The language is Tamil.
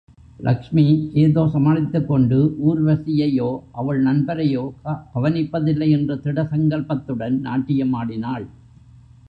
லக்ஷ்மி ஏதோ சமாளித்துக்கொண்டு ஊர்வசியையோ அவள் நண்பரையோ கவனிப்பதில்லை என்ற திடசங்கல்பத்துடன் நாட்டியமாடினாள்.